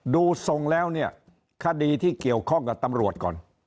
ดูทรงแล้วเนี่ยคดีที่เกี่ยวข้องกับตำรวจก่อน